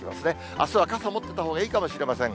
あすは傘持ってたほうがいいかもしれません。